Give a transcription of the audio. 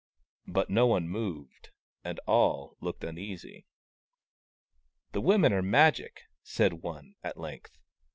But no one moved, and all looked uneasy. " The women are Magic," said one, at length.